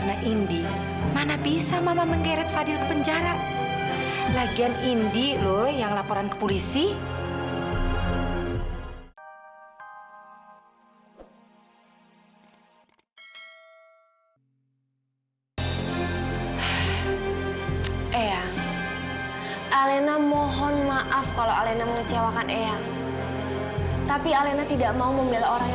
sampai jumpa di video selanjutnya